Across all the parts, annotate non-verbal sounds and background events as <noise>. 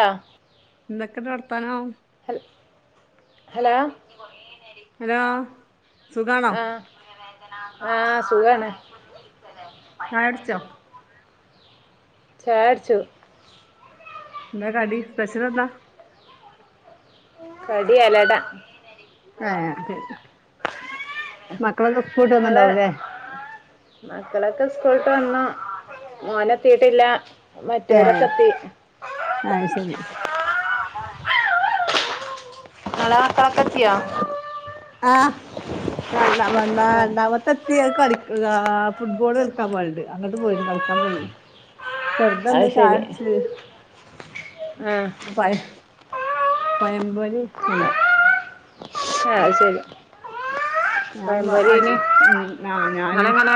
ആ എന്തൊക്കെണ്ട് വർത്താനം ഹൽ ഹലോ ഹലോ സുഖാണോ ആ ആ സുഖാണ് ചായട്ച്ചോ ചായട്ച്ചു. എന്താ കടി സ്പഷ്യൽ എന്താ? കടി എലട ഏ മക്കള് നിങ്ങളെ നിപ്പൊട്ടുന്നുണ്ടാവുല്ലേ മക്കളൊക്കെ സ്കൂള്ട്ടു വന്നു മോനെത്തീട്ടില്ല ഏഹ് മറ്റവരൊക്കെ എത്തി അത് ശരി <unintelligible> ആ രണ്ടാ വന്ന ആ രണ്ടാമത്തെത്തി ത്തി അത് കളിക്കാ ഫുട്ബോള് കളിക്കാൻ പോവല്ണ്ട് അങ്ങട്ട് പോയീണ് കളിക്കാൻ പോയി അത് ചെറുതന്ന് ശരി ചായട്ച്ച് ആ പയ പയമ്പൊരി ആ അയ്ശരി ഞാൻ വ അടി ഉം ആ ഞാന് നിങ്ങളെങ്ങനെ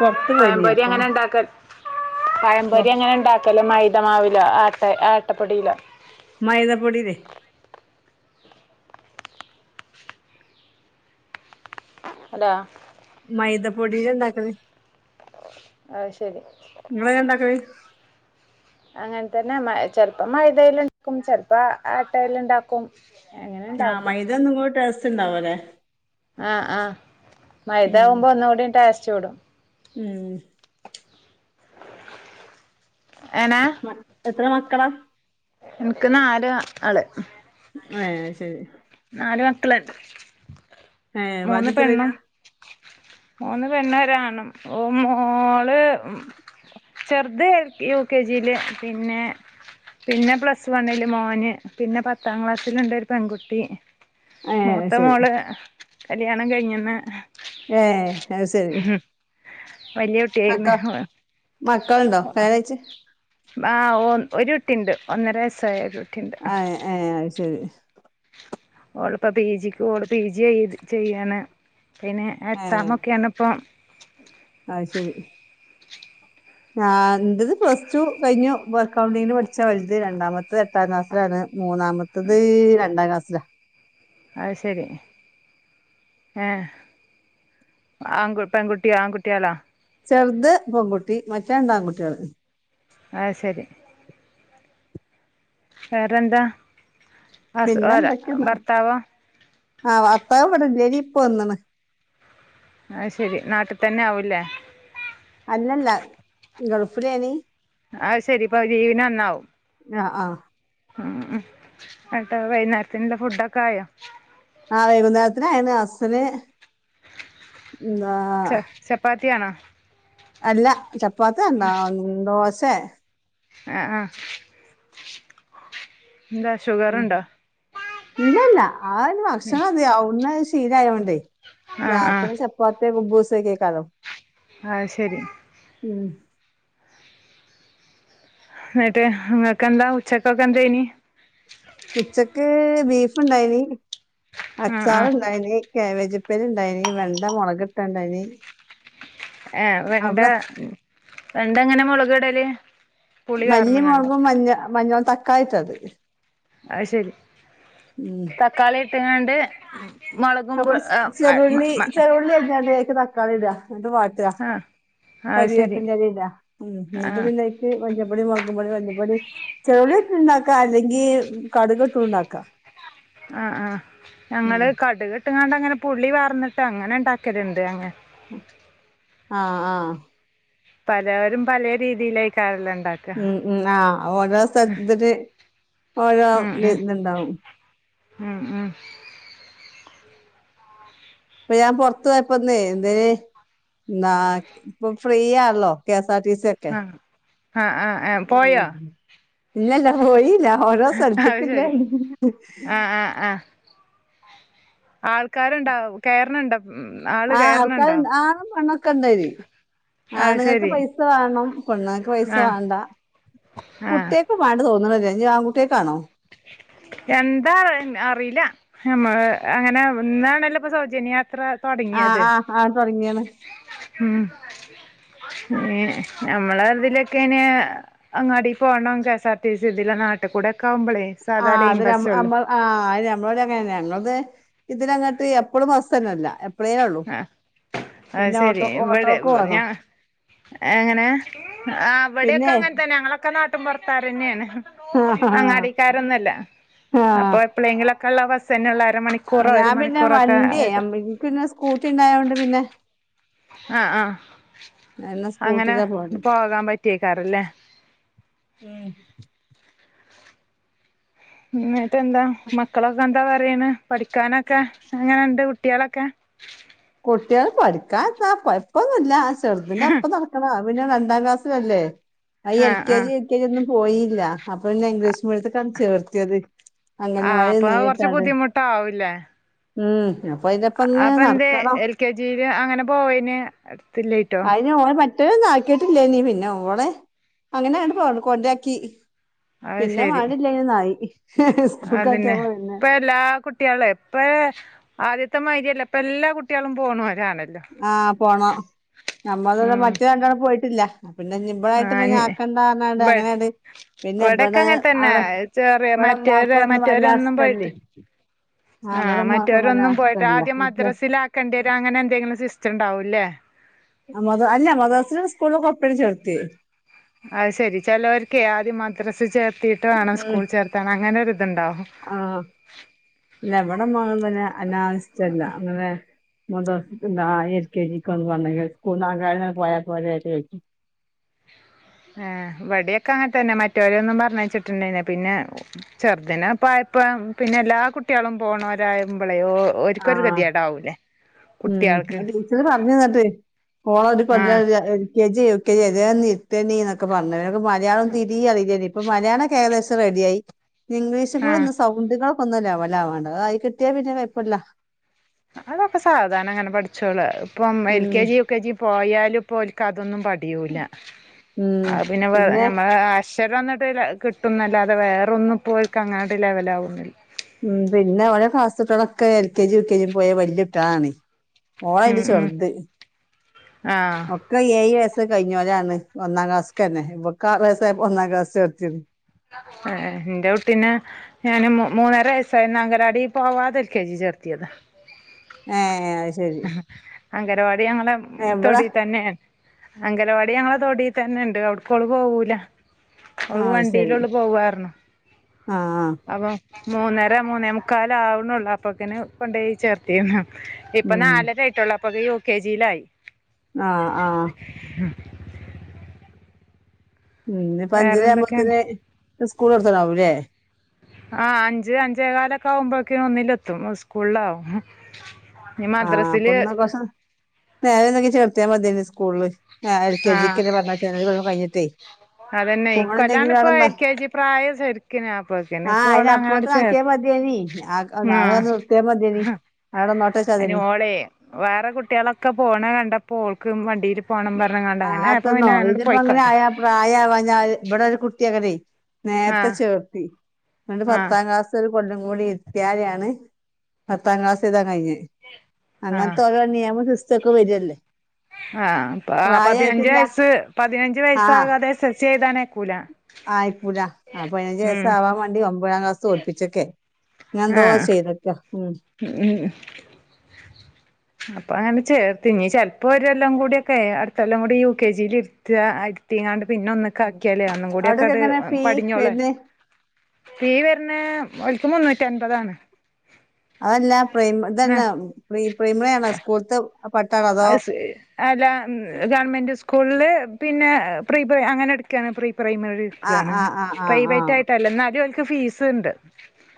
പൊറത്തു പോയിനീ പഴംപൊരി അപ്പൊ. എങ്ങനെ ഉണ്ടാക്കൽ പൊറ പഴംപൊരി അങ്ങനെ ഉണ്ടാക്കല് മൈദമാവിലോ ആട്ട ആട്ടപ്പൊടിയിലോ? മൈദ പൊടില്. ഹലോ മൈദ പൊടില് ഇണ്ടാക്കല്. ആത്ശരി. നിങ്ങള് ങ്ങനെണ്ടക്കല്? അങ്ങനെ തന്നെ മ ചെലപ്പോ മൈദേല് ണ്ടാക്കും ചെലപ്പോ ആട്ടേല് ഇണ്ടാക്കും. ആ മൈദ ഒന്നുങ്ങൂടെ ടെസ്റ്റ് ണ്ടാവലെ? ആഹ് ആ മൈദാവുമ്പോ ഒന്നൂടി ടേസ്റ്റ് കൂടും. ഉം മ എത്ര മക്കളാ? ഇൻക്ക് നാല് ആള് എഹ് ശെരി. നാല് മക്കള് ഹേ വലുത് ത്രേല്ലാ? മൂന്ന് പെണ്ണ് ഒരാണും മോള് ചെറുത് യു കെ ജിയില് പിന്നെ പിന്നെ പ്ലസ് വൺല് മോന് പിന്നെ പത്താം ക്ലാസ്സലുണ്ട് ഒരു പെൺകുട്ടി. ഏ മൂത്ത ശരി മോള് കല്യാണം കഴിഞ്ഞ്ന്ന്. ഏ അത്ശരി. വലിയ കുട്ടിയായിന് മക്കളുണ്ടോ കല്യാണം കഴിച്ച് ആ ഓ ഒരുട്ടിണ്ട് ഒന്നര വയസായ ഒരു കുട്ടിയുണ്ട് ആ എ അശരി ഓളിപ്പ പി ജിക്ക് ഓള് പി ജി ചെയ്യാണ്. പിന്നെ എക്സാമൊക്കെയാണിപ്പോ. അത്ശരി. എന്റെത് പ്ലസ് ടു കഴിഞ്ഞു. ഇപ്പോ കണ്ടിങ്ങിന് പഠിച്ച വലുത് രണ്ടാമത്തെത് എട്ടാം ക്ലാസത്തിലാണ്. മൂന്നാമത്തത് രണ്ടാം ക്ലാസ്സിലാ. അത് ശരി. ഏ ആൺ പെൺകുട്ടിയ ആൺകുട്ടിയാളോ? ചെറുത് പെൺകുട്ടി മറ്റേ രണ്ട് ആൺകുട്ടികള്. ആഹ് ശരി. വേറെന്താ ഹസ് പിന്നെ ഓല എന്തൊക്കെന്ന ഭർത്താവോ ആ ഭർത്താവ് വടെല്ലെനി. ഇപ്പൊ വന്ന്ണ്. ആഹ് ശെരി നാട്ടിൽ തന്നെ ആവൂല്ലേ. അല്ലല്ല ഗൾഫിലേനി. ആഹ് ശരി <unintelligible> ആഹ ആഹ. മം ഹ് ന്ന്ട്ട് വൈകുന്നേരത്തിനുള്ള ഫുഡൊക്കെ ആയോ? ആഹ വൈകുന്നേരത്തിന് അയന് <unintelligible> ച ചപ്പാത്തിയാണോ? അല്ല ചപ്പാത്തി ഉണ്ടാവ <unintelligible> ദോശയാ. ആഹ ആഹ എന്താ ഷുഗറുണ്ടോ? ഇല്ലല്ല ആ ഒരു ഭക്ഷണം അതെയ <unintelligible> അവ്ട്ന്ന് ശീലായോണ്ടേ ആ ആ രാത്രി ചപ്പാത്തിയോ കുബൂസ് <inaudible> ആഹ് ശരി. ഉം എന്നിട്ട് ഇങ്ങക്കന്താ ഉച്ചക്കൊക്കെ എന്താ ഇനി? ഉച്ചക്ക് ബീഫ് ഇണ്ടായിന്, ആഹ് ആഹ് അച്ചാറുണ്ടായിന്. കാബേജിപ്പഴുണ്ടായിന് വെണ്ട മുളകിട്ടണ്ടായിന്.. ഏ വെണ്ട വെണ്ട എങ്ങനെ മുളക് ഇടല് മല്ലി മുളകും മഞ്ഞ മഞ്ഞ തക്കായിട്ടത്. അയ്ശരി, തക്കാളി ഇട്ടുങ്ങണ്ട്.. നമ്മൾ ചെറുള്ളി ചെറുള്ളി <unintelligible> ക്കാളിയിടുക എന്നിട്ട് വാട്ടുക, ആഹ് അത് ശരി കരിവേപ്പിന്റെ ഇല ഇടുക മം എന്നിട്ട് ആഹ് പിന്നെ ഇച്ചി മഞ്ഞ <unintelligible> <unintelligible> മുളക്പൊടി, മല്ലിപ്പൊടി, <unintelligible> ണ്ടാക്ക അല്ലെങ്കിൽ കടുകക്കണ്ടാക്ക. ആ ആഹ ഞങ്ങള് കടുകി.. ട്ടങ്ങാണ്ടണ്ട്ങ്ങന പുള്ളി വാർന്നിട്ട് അങ്ങനെ ഉണ്ടാക്കലുണ്ട് അങ്ങെ.. ആഹ ആഹ പലവരും പലയ രീതിയിലായിക്കാറലുണ്ട്.. മം മം ആ ഓരോ സ്ഥലത്ത <unintelligible> ഓരോ ഇതുണ്ടാവും മം മം. ഇപ്പൊ ഞാൻ പൊറത്ത് പോയപ്പന്നേ ദേ നാ ഇപ്പൊ ഫ്രീയാണല്ലോ കേസ്.. ആഹ് ആഹ് ആഹ് ഏഹ് പോയോ <unintelligible> പിന്നല്ല പോയീല്ല ഓരോ സ്ഥലത്തൊക്ക അത് ഇല്ലേ.. ശരി ആൾക്കാരുണ്ടാവ കേറണുണ്ട.. ആഹ ആൾക്കാണ്ട് ആ മണ്ണൊക്കെ ഇണ്ടായിന്. അത് ആണുങ്ങൾക്ക് ശരി പൈസ വേണം, പെണ്ണുങ്ങൾക്ക്‌ പൈസ ആഹ് വേണ്ട. ആഹ് കുട്ടിയക്ക് വേണ്ട തോന്നണല്ലേ ആൺകുട്ടിയക്കാണോ? എന്താ അറിയില്ല <unintelligible> അങ്ങനെ ഇന്നാണല്ലോ ഇപ്പ സൗജന്യയാത്ര തുടങ്ങിയത് ആഹ് ആഹ് ആ തുടങ്ങിയാണ്. <inaudible> മം ഞമ്മള് ഇതിലൊക്കെ ഇന് അങ്ങാടി പോണം കെ എസ്ആർ ടി സി ഇതി.. നാട്ടുക്കൂടെക്കാവുമ്പളേ.. ആഹ് <unintelligible> ആ അമ്മളോടങ്ങനന്നെയാ അത് ഇതിനങ്ങോട്ട് എപ്പഴും മാസ തന്നെല്ല എപ്പഴേ ഉള്ളു. അയ്ശരി ഇവിടെ ഞാ.. എങ്ങനെ ആ അവിടെൊക്കെ പിന്നെ അങ്ങനെ തന്നെ ഞങ്ങളൊക്കെ നാട്ട.. മ്പുറത്താരന്നയാണ് ആഹ് അങ്ങടിക്കാരൊന്നല്ല അപ്പൊ എപ്പോഴങ്കിലൊക്കെള്ള വസ്.. ഞാൻ പിന്നെ വണ്ടിയെ ആയിട്ട് എനിക്കിന്നെ സ്കൂട്ടി ഉണ്ടായൊണ്ട് പിന്നെ.. ആഹ ആഹ എന്നാ അങ്ങനെ സ്കൂട്ടിയിലാ പോവല് പോകാൻ പറ്റിയ കാറല്ലേ? മം എന്നിട്ട എന്താ മക്കളൊക്കെ എന്താ പറയണ്? പഠിക്കാനൊക്കെ അങ്ങനെുണ്ട് കുട്ടികളൊ.. ക്ക കുട്ട്യേള് പഠിക്കാത്താ കൊഴ്പ്പൊന്നുല്ല ചെർതിന്റെപ്പോ നടക്കണാ <unintelligible> പിന്നെ രണ്ടാം ക്ലാസിലല്ലേ ഈ എൽ ആഹ് കെ ജി, ആഹ് യു കെ ജി ഒന്നും പോയില്ല അപ്പൊ പിന്നെ ഇംഗ്ലീഷ് മീഡിയത്തിക്കാണ് ചേർത്തിയത്. അങ്ങനെ ആഹ് വഴി അപ്പൊ കൊറച്ച് <unintelligible> ബുദ്ധിമുട്ടാവൂല്ലേ ഉം അപ്പൊയ്ന്റപ്പങ്ങനെ അപ്പൊ നട്‌ എന്തേ എൽ കെ ജിയില് അങ്ങനെ പോവേനു എട്ത്തില്ലായ്ട്ടോ? മറ്റേനൊന്നു ആക്കീട്ടില്ലേനീ പിന്നെ ഓളെ അങ്ങനേണ് പോ കൊണ്ടേക്കി അത് പിന്നെ ശരി മാണ്ടില്ലേനിന്നായി അതന്നെ ഇപ്പ എല്ലാ കുട്ട്യേളേ ഇപ്പേ ആദ്യത്തെ മാതിരിയല്ല ഇപ്പൊ എല്ലാ കുട്ട്യാളും പോണോ അ ആ പോണം നമ്മളുടെ മറ്റേ രണ്ടാളും പോയിട്ടില്ല പിന്നെ ഇബളായിട്ട് ആ ൻ പിന്നെ ആക്കണ്ടാർഞ്ഞാണ്ട് ബ അങ്ങനെയാണ്ട് പിന്നെ ഇബടെ ഇവടക്കങ്ങൻതന്നെ അവിടെ ചെറേ ഇബടെ മറ്റേര് ഇമ്മാക്കൊന്നും വല്ലാ മറ്റേരാന്നും പോയിട്ട് ഇഷ്ടല്ലേ ഇബടെ ആഹ് ഇമ്മാക്കൊന്നും വല്ലാ മറ്റേരൊന്നും പോയിട്ട് ഇഷ്ടല്ല. ആദ്യം മദ്രസ് ല് ആക്കേണ്ടരു അങ്ങനെന്തെങ്കിലും സിസ്റ്റ് ഇണ്ടാവൂല്ലേ <unintelligible> അല്ല മദർസിലും സ്കൂളോകൊപ്പന്നെ ച്ചേർത്തിയേ അയ് ശരി ചെലോർക്കേ ആദ്യം മദ്രസ് ചേർത്തീട്ട് വേണം സ്കൂൾ ചേർത്താന് അങ്ങനെരു ആ ഇല്ലവിടെ <unintelligible> അങ്ങനെ മദർസ്ക്ക് ആ എ ൽ കെ ജിക്കാ ന്ന് പർഞ്ഞ സ്കൂൾ <unintelligible> പോയാ പോരെ ചോയ്ക്കും ഏ ഇവടിയൊക്കെങ്ങനെ തന്നെ മറ്റേ രൊന്നും പർഞ്ഞയ്ച്ചി <unintelligible> പിന്നെ ചെർതിനേപ്പായ ഇപ്പം പിന്നെ എല്ലാ കുട്ടിയേളും പോണോരായ്മ്പളേ ഓ ഓർക്കൊരു ആഹ് കെതിയേടാവൂലേ ഉം ടീച്ചർ പർഞ്ഞ്ന്നട്ടേ ഓളേ ഒരു കൊല്ലം ആഹ് A L G U K J ഏതേന്ന് ഇർ ത്തിയേണ്ടിന്നൊക്കെ പർഞ്ഞ് ഓക്ക് മലിയാളം തീരീം അറയില്ലേനി ഇപ്പൊ മലിയാളംക്കെ ഏകദേശം റെഡിആയി ആഹ് ഇംഗ്ലീഷ്കൂടൊന്ന് സൗണ്ട്കൾ ഒന്ന് ലവലാവാണ്ട് അത്‌ ആയി കിട്ടിയാപിന്നെ കൊയ്പ്പല്ല. അതൊക്കെ സാവധാനങ്ങനെ പഠിച്ചോളു ഇപ്പം എൽ ഉം K G U K G പോയാലു പോൽക്ക അതൊന്നും പടിയൂല ഉം അപിന്നെ പേ പിന്നെ നമ്മ അക്ഷരൊന്ന് <unintelligible> കിട്ടുന്നല്ലാതെ വേറൊന്നുംപോൽക്ക് അങ്ങനാണ്ട് ലെവലവൊന്നുല്ല. ഉം പിന്നെ ഓലെ ക്ലാസ്സ്‌ത്തെ ട്ടിയാളൊക്കെ L K G U K G പോയ വല്ല്യട്ടാളാണേ ഉം ഓളയില് ഉം ചെർത് ആഹ് ഒക്കെ ഏഴ് വയ് കയ്ഞ്ഞോലാണ് ഒന്നാം ക്ലാസ്ക്കന്നെ ഇവക്കാറയ്സായപ്പോ ഒന്നാം ക്ലാസ് ചേർത്തിയത്. എ ഏ ന്റെ കുട്ടീനേ ഞാന് മൂ മൂന്നര വയസ്സായന്ന് അങ്കലാടി പോവാതെ എൽ കെ ജി ചേർത്തിയത് ഏ അയ് ശെരി അംഗനവാടി ഞങ്ങളെ തൊടീതന്നെണ്. അംഗലവാടി ഞങ്ങളെ തൊടീതന്നെണ്ട് അട്ക്കോള് പോവൂല ആ ഓള് അത് വണ്ടീ ശരി <unintelligible> പോവാർന്നു ആ ആ അപ്പൊ മൂന്നര മൂന്നേമുക്കാലാവ്ണൊള്ളൂ അപ്പൊക്ക്ന് കൊണ്ടോയി ചേർത്തീണ്. ഇപ്പൊ ഉം നാലരായിട്ടൊള്ളു അപ്പോക്ക് യു കെ ജി യിലായി. ആ ആ മ് ഉം ഇനിപ്പോ എന്തൊക്കെയുണ്ട് അഞ്ചരാവുമ്പോത്ത്ന് സ്കൂള് ചേർത്താനാവൂല്ലേ. ആഹ് അഞ്ച് അഞ്ചേ കാലൊക്കെ ആവുമ്പോക്ക് ഒന്നിലെത്തും സ്കൂളാവും. ഇനി മദ്രസില് നേരം വൈകി ചേർത്തിയാ മതിയെനി സ്കൂള്ല് ഏ എൽ കെ ആ ജിക്കന്നെ പർഞ്ഞെയ്ച്ചാ <unintelligible> ഒരു കൊല്ലംകൂടെ കഴിഞ്ഞിട്ടേ. അതന്നെ ഇക്കൊല്ലാണ് പോണില്ലെങ്കിലും ഇപ്പൊ അവിടെന്നാ എൽ കെ ജി പ്രായം ശെർക്ക്ന് അപ്പോക്ക്ന് ആ അതിന് ഇപ്പോളങ്ങനെണ്ട് അപ്പോത്തിന് ചേർ <unintelligible> ആ നിർത്തിയാ മതിയേനി ആടെന്നോ അയ്ന് ഓളെ വേറെ കുട്ട്യാളൊക്കെ പോണെകണ്ടപ്പോ ഓൾക്കുംവണ്ടീല് ആ അത്തന്നോ ഇതിപ്പോ അങ്ങനെ പോയിക്കോട്ടെ ആയാ പ്രായാവാഞ്ഞാല് ഇബടെ ഒരു കുട്ടി അങ്ങനെ ആ നേർത്തെ ചേർത്തി ങ്ങണ്ട് ആ പത്താം ക്ലാസൊരു കൊല്ലും കൂടി ഇർത്തിയാരെണ് പത്താം ക്ലാസയ്താ കഴിഞ്ഞേ ആ അങ്ങനത്തെ ഓരോ നിയമം സിസ്റ്റം ഒക്കെ വരുവല്ലേ ആ പതിനഞ്ച് വയസ്സ് പതിനഞ്ച് വയസ്സാകാതെ സെസ് ചെയ്താനേക്കൂല ആയിക്കൂട പതിനഞ്ച് വയസ്സ് ആവാൻ വേണ്ടി ഒമ്പതാം ക്ലാസ് തോൽപ്പിച്ചൊക്കെ ഞാൻന്തോവാ ആഹ് ചെയ്തക്കാ ഉം അപ്പൊ അങ്ങനെ ചേർത്ത്നി ചിലപ്പോൾ ഒരെല്ലാം കൂടിയൊക്കെ അടുത്തെല്ലാം കൂടി യു കെ ജി യിൽ ഇരുത്തി ഇരുത്തിങ്ങാണ്ട് പിന്നെ ഒന്നൊക്കെ ആക്കിയല്ലേ ഒന്നും കൂടി ഒക്കെ അവിടൊക്കെ എങ്ങനെ ഫീ പടിഞ്ഞോളെ വരുന്നേ തീ പിന്നെ ഒക്ക് മുന്നൂറ്റി അൻപതാണ് അതല്ല പ്രൈമ ഇതന്നെ ആഹ് പ്രീ പ്രൈമറിയാണ് സ്കൂളത്ത് അ അല്ല ഗവൺമെന്റ് സ്കൂളില് പിന്നെ പ്രീ പ്ര അങ്ങനെ എടുക്കയാണ് പ്രീ പ്രൈമറി ആ എടുക്കാണ് ആ ആ ആ ആ പ്രൈവറ്റ് ആയിട്ടല്ല എന്നാല ഫീസ് ഉണ്ട്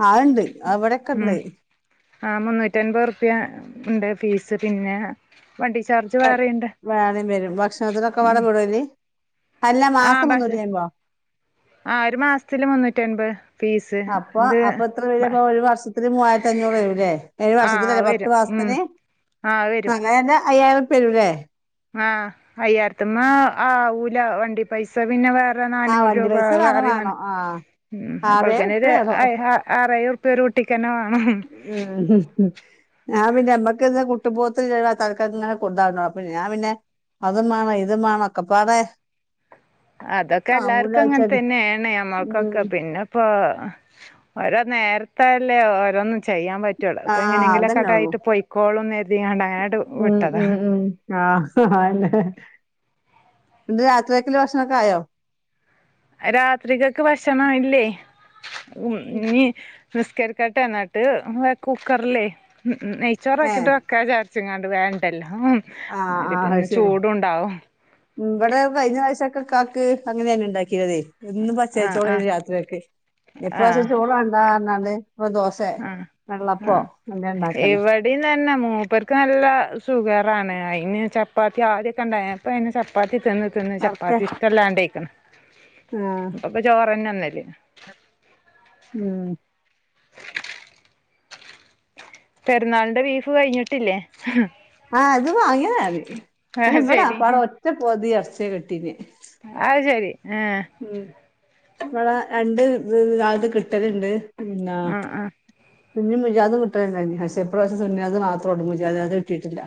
ആ ഉണ്ട് അവിടെക്കെണ്ട് ആ മുന്നൂറ്റി അൻപത് റുപ്യ ഉണ്ട് ഫീസ് പിന്നെ വണ്ടി ചാർജ് വേറെയുണ്ട് വേടയും വരും ഭക്ഷണത്തിനൊക്കെ വേട ഉം കുടുതല് അല്ല മാസം മുന്നൂറ്റി അൻപതോ ആ ഒരു മാസത്തില് മുന്നൂറ്റി അൻപത് അപ്പൊ അപ്പൊ എത്ര പേര് അപ്പൊ ഒരു വർഷത്തി മൂവായിരത്തി അഞ്ഞൂറല്ലേ ഏഴു ആഹ് വർഷത്തില്ലേ വരും പത്ത് ഉം മാസത്തിന് ആഹ് വരും അങ്ങെന്റെ അയ്യായിരം വരുംല്ലേ ആഹ് അയ്യായിരത്തിമ്മ ആവൂല വണ്ടി പൈസ പിന്നെ വേറെ ആ വണ്ടി പൈസ വേറെ വേണം ആ ആറേഴ് ഉറുപ്യ വേണം <unintelligible> വേണം <unintelligible> ഞാൻ പിന്നെ നമ്മക്ക് കുട്ടുംബോത്തി തക്കംങ്ങനെ കൊണ്ടതാ പി ഞാൻ പിന്നെ അതും വേണം ഇതും വേണം ഒക്കപ്പാടെ അതൊക്കെ എല്ലാർക്കും അങ്ങനെ തന്നെയ ആണ ഉം നമ്മൾക്കൊക്കെ പിന്നെപ്പോ ഓരോ നേരത്തല്ലേ ഓരോന്നും ചെയ്യാൻ പറ്റ പറ്റൂള്ളൂ ആ ഇപ്പൊ എങ്ങനെയെങ്കിലും അതന്നെ ഉള്ളു ഒക്കെടായിട്ട് പൊയിക്കോളൂന്ന് കരുതിട്ടങ്ങട് ഉം വിട്ടതാ ഉം ഉം ആ എ രാത്രി ഒക്കല് ഭക്ഷണം ഒക്കെ ആയോ രാത്രികൾക്ക് ഭക്ഷണം ഇല്ലേ നിസ്കരിക്കട്ട എന്നിട്ട് കുക്കറിലേ ഏ നെയ്ച്ചോറക്കിട്ട് വെക്കാ ച ങ്ങാണ്ട് വേണ്ടല്ലോ ആ ആ മഗ്‌രിബിന് ശരി ചൂടുണ്ടാവും ഇവിടെ കഴിഞ്ഞ പ്രാവശ്യ ക്കാക്ക് അങ്ങനെ തന്നെ ഉണ്ടാക്കി യത് ഇന്ന് ആഹ് പച്ചരിച്ചോട് ആഹ് രാത്രിയൊക്കെ ഇപ്രാവശ്യം ആഹ് ചോള കണ്ടാ പറഞ്ഞാല് വെള്ളപ്പോ ഇണ്ടാക്കലാ ഇവിടെ തന്നെ മൂപ്പർക്ക് നല്ല ഷുഗറാണ് പിന്നെ ചപ്പാത്തി ആദ്യൊക്കെ ഉണ്ടായ ഇപ്പ ചപ്പാത്തി തിന്ന് തിന്ന് അട്ക്കെ ചപ്പാത്തി ഇഷ്ടമല്ലാണ്ടക്കണ് ആഹ് ഇപ്പപ്പ ചോറ് തന്നെ തിന്നല് ഉം പെരുന്നാളിന്റെ ബീഫ് കഴിഞ്ഞിട്ടില്ലേ ആ അത് വാങ്ങിയതി ഇ ആഹ് ഇവിടാ ശരി ആകപാട ഒറ്റ പോതി ഇറച്ചിയെ വെട്ടീന് ഏ ഇവടെ രണ്ട് നാള്ക്ക് കിട്ടലുണ്ട് ആ ആ സുന്നി മുജാദം കിട്ടലില്ലനി പക്ഷേ എപ്രാവശ സുന്നാ അത് മാത്രം ഉൂ മുജാദാ കിട്ടയിട്ടില്ല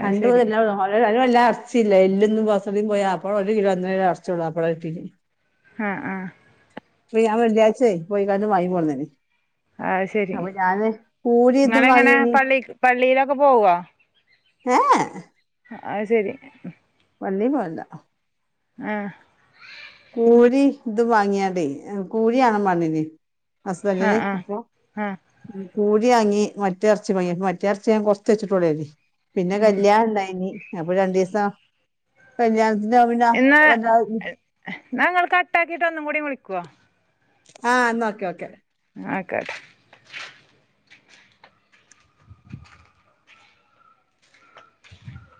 അത് കണ്ടപോത് ശരി എല്ല അവ അ വല്ല അറച്ചില്ലല്ല എല്ലൊന്നും ബസ പോയാ അപ്പോഴൊ ഒരു കിലോ അന്നര കിലോ അറച്ചോള്ളൂ അപ്പോഴ ആ ആ ഞാൻ വെള്ളിയാച്ചേ പോയി കന്ന് വായി പോന്നന് ആ ശെരി ഇതും നിങ്ങളങ്ങനെ വാങ്ങീന് പള്ളി പള്ളിയിലൊക്കെ പോവോ ഏഎ അത് ശരി. പള്ളി പോവണ്ടാ. ആഹ. കൂരി ഇത് വാങ്ങിയാടെ കൂരി ആണ് മണിന്. ആഹ് ഹസ്ബന്റിന് ആഹ് അപ്പോ ആഹ് കൂഴിയാങ്ങി. മറ്റേ ഇറച്ചി ഭയ. മറ്റേ ഇറച്ചി ഞാൻ കൊറച്ച് വെച്ചിട്ടോളേ. പിന്നെ ഉം കല്യാണ ഇണ്ടായ്ന്. അപ്പ രണ്ടിസം കല്യാണത്തിന്റെ പിന്ന <unintelligible> ന്ന ങ്ങൾ കട്ടാക്കിട്ട് ഒന്നും കൂടി വിളിക്കുവോ. ആഹ ന്നോക്കെ ക്കെ. ആക്കാട്ട. <inaudible>